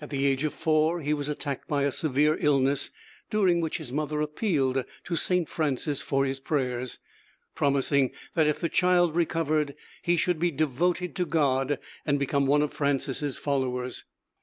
At the age of four he was attacked by a severe illness, during which his mother appealed to St. Francis for his prayers, promising that if the child recovered, he should be devoted to God and become one of Francis's followers.